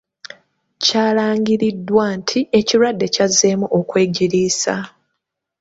Kyalangiriddwa nti ekirwadde kyazzeemu okwegiriisa.